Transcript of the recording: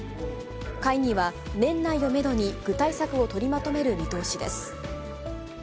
会議は年内をメドに具体策を取りまとめる見通しです。